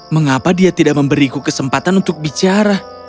mengapa dia tidak memberiku kesempatan untuk bicara